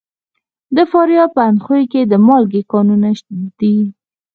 د فاریاب په اندخوی کې د مالګې کانونه دي.